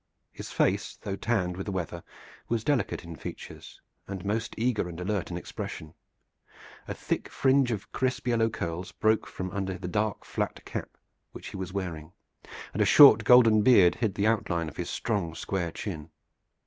His face, though tanned with the weather, was delicate in features and most eager and alert in expression. A thick fringe of crisp yellow curls broke from under the dark flat cap which he was wearing, and a short golden beard hid the outline of his strong square chin.